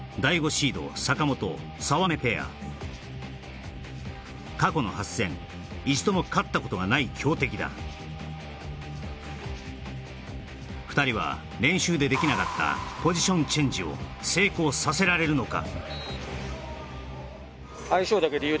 シード坂本・沢目ペア過去の８戦一度も勝ったことがない強敵だ２人は練習でできなかったポジションチェンジを成功させられるのか？